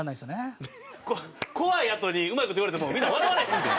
怖いあとにうまい事言われてもみんな笑われへんで。